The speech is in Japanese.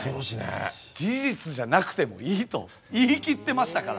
事実じゃなくてもいいと言い切ってましたから。